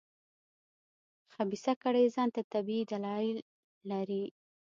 خبیثه کړۍ ځان ته طبیعي دلایل لري.